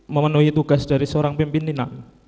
memenuhi tugas dari seorang pimpin nina